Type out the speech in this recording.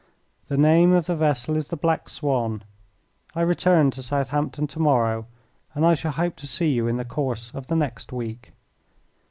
The name of the vessel is the Black Swan. I return to Southampton to morrow, and I shall hope to see you in the course of the next week."